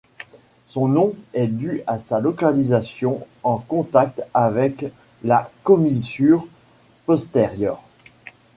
Son nom est dû à sa localisation en contact avec la commissure postérieure.